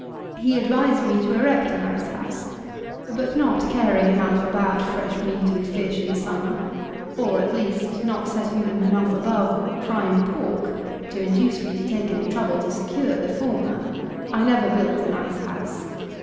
He advised me to erect an ice house; but not caring enough about fresh meat and fish in summer, or at least not setting them enough above "prime pork" to induce me to take any trouble to secure the former, I never built an ice house.